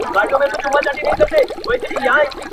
• څوک په سره اهاړ کي تندي وه وژلي -